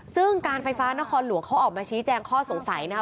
ซึ่งการไฟฟ้านครหลวงเขาออกมาชี้แจงข้อสงสัยนะครับ